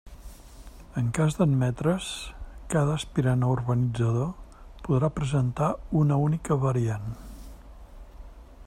En cas d'admetre's, cada aspirant a urbanitzador podrà presentar una única variant.